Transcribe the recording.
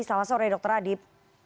selamat sore dr adip